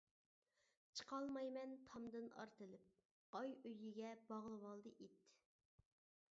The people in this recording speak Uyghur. چىقالمايمەن تامدىن ئارتىلىپ، ئاي ئۆيىگە باغلىۋالدى ئىت.